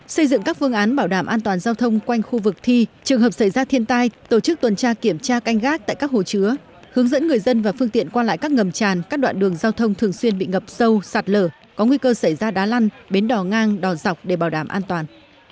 xây dựng các phương án bảo đảm an toàn giao thông quanh khu vực thi trường hợp xảy ra thiên tai tổ chức tuần tra kiểm tra canh gác tại các hồ chứa hướng dẫn người dân và phương tiện qua lại các ngầm tràn các đoạn đường giao thông thường xuyên bị ngập sâu sạt lở có nguy cơ xảy ra đá lăn bến đỏ ngang đò dọc để bảo đảm an toàn